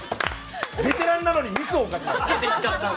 ベテランなのにミスを犯しました。